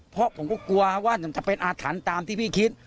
เพราะผมก็กลัวว่าจะเป็นอาถรรพ์ตามที่พี่คิด